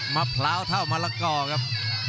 มะพร้าวเท่ามะละก่อ